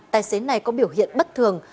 tài xế này có biểu hiện bất thường